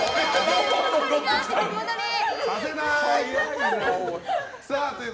させない！